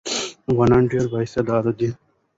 افغانان ډېر با استعداده دي.